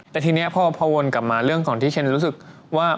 แต่ทีนี้พอวนกลับมาเรื่องของที่เชนรู้สึกว่า